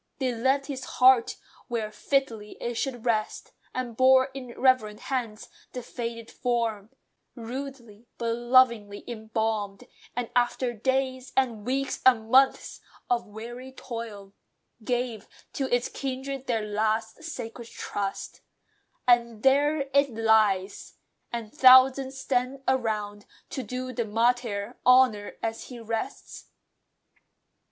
They left his heart where fitly it should rest; And bore, in reverent hands, the faded form, Rudely, but lovingly embalmed; and after days, And weeks, and months, of weary toil, Gave to its kindred their last sacred trust; And there it lies! and thousands stand around, To do the martyr honour as he rests.